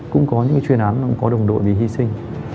cũng có những chuyên án có đồng đội thì hy sinh